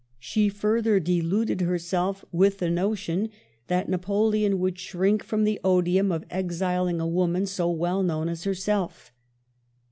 She further deluded herself with the notion that Napoleon would shrink from the odium of exiling a woman so well known as her self.